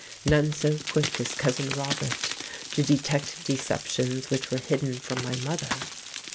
None so quick as Cousin Robert to detect deceptions which were hidden from my mother.